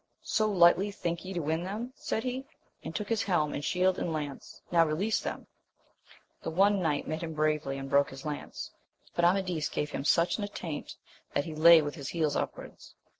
So lightly think ye to win them] said he, and took his helm and shield and lance; — ^now release them ! The one knight met him bravely, and broke his lance ; but Amadis gave him such an attaint that he lay with his heels upwards.